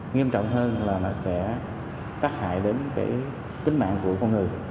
nghiêm trọng hơn là nó sẽ tác hại đến cái tính mạng của con người